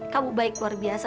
kamu baik luar biasa